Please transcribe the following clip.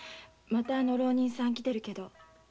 またあの浪人さん来てるけど。